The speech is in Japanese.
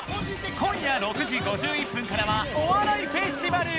今夜６時５１分からはお笑いフェスティバル